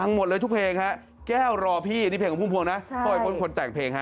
มีนักร้องลูกทุ่งดังมากมายเนี่ยผ่านการปลูกปั้นมาจากพ่อวัยพจน์เพชรสุพรณนะฮะ